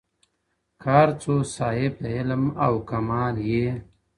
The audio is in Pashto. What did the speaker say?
که هرڅو صاحب د علم او کمال یې،